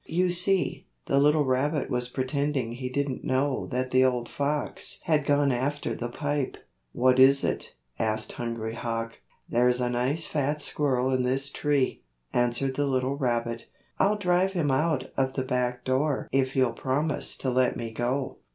(You see, the little rabbit was pretending he didn't know that the old fox had gone after the pipe.) "What is it?" asked Hungry Hawk. "There's a nice fat squirrel in this tree," answered the little rabbit. "I'll drive him out of the back door if you'll promise to let me go."